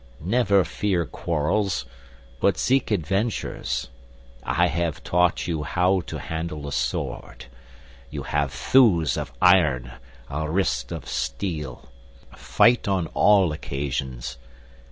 Never fear quarrels, but seek adventures. I have taught you how to handle a sword; you have thews of iron, a wrist of steel. Fight on all occasions.